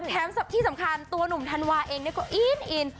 แถมที่สำคัญตัวหนุ่มธันวาเองเนี่ยก็อิน